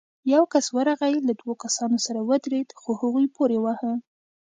يو کس ورغی، له دوو کسانو سره ودرېد، خو هغوی پورې واهه.